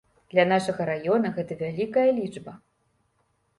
Для нашага раёна гэта вялікая лічба.